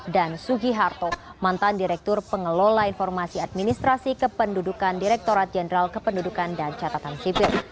dan sugi harto mantan direktur pengelola informasi administrasi kependudukan direktorat jenderal kependudukan dan catatan sipil